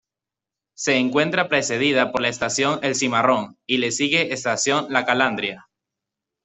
Se encuentra precedida por la Estación El Cimarrón y le sigue Estación La Calandria.